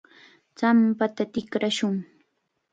champata tikrashun.